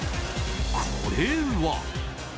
これは。